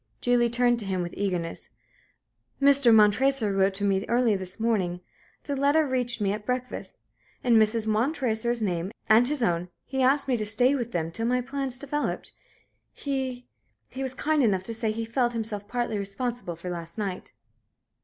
Julie turned to him with eagerness. "Mr. Montresor wrote to me early this morning. The letter reached me at breakfast. In Mrs. Montresor's name and his own, he asked me to stay with them till my plans developed. He he was kind enough to say he felt himself partly responsible for last night."